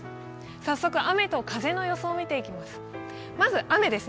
早速、雨と風の予想を見ていきます